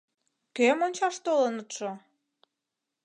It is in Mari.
Кӧм ончаш толынытшо!